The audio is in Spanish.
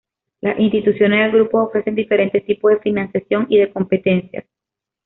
Las instituciones del Grupo ofrecen diferentes tipos de financiación y de competencias.